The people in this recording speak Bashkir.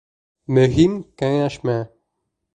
Мөһим кәңәшмә.